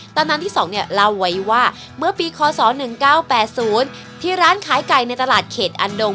ตำนานที่๒เนี่ยเล่าไว้ว่าเมื่อปีคศ๑๙๘๐ที่ร้านขายไก่ในตลาดเขตอันดง